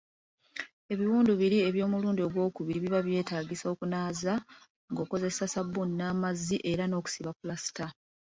Ebiwundu biri eby'omulundi ogwokubiri biba byetaagisa okunaaza ng'okozesa ssabbuuni n'amazzi era n'okubisiba ppulasita